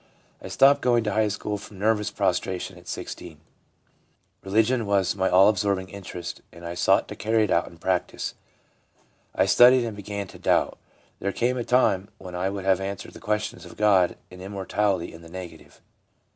I stopped going to high school from nervous prostration at 16. Religion was my all absorbing interest, and I sought to carry it out in practice. I studied and began to doubt. There came a time when I would have answered the questions of God and immortality in the negative.'